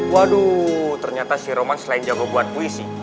waduh ternyata si roman selain jago buat puisi